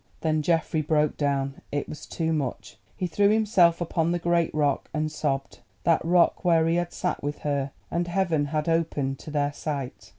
Then Geoffrey broke down—it was too much. He threw himself upon the great rock and sobbed—that rock where he had sat with her and Heaven had opened to their sight.